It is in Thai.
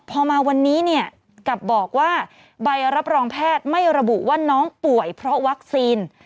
พอมาวันนี้เนี่ยกลับบอกว่าใบรับรองแพทย์ไม่ระบุว่าน้องป่วยเพราะวัคซีน